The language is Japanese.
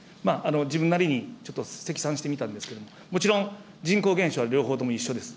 自分なりにちょっと積算してみたんですけど、もちろん、人口減少は両方とも一緒です。